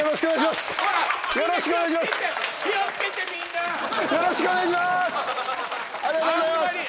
よろしくお願いします！